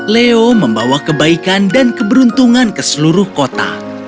leo membawa kebaikan dan keberuntungan ke seluruh kota